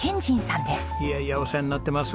いやいやお世話になってます。